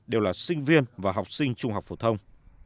đều là sinh viên và học sinh trung học phổ thông